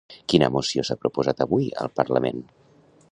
Quina moció s'ha proposat avui al Parlament?